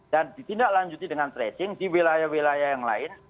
dan ditindaklanjuti dengan tracing di wilayah wilayah yang lain